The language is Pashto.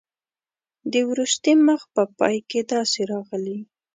د وروستي مخ په پای کې داسې راغلي.